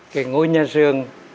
cái ngôi nhà dương